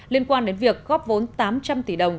liên quan đến việc góp vốn tám trăm linh tỷ đồng